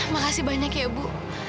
makasih banyak ya bu